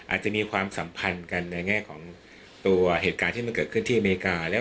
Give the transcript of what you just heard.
อาจจะมีความสัมพันธ์กันในแง่ของตัวเหตุการณ์ที่มันเกิดขึ้นที่อเมริกาแล้ว